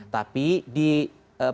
tapi di jepang